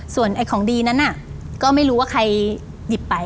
ส่วนของดีนั้นก็ไม่รู้ว่าใครหยิบไป